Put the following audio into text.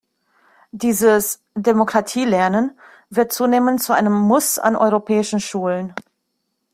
Dieses „Demokratie Lernen“, wird zunehmend zu einem Muss an europäischen Schulen.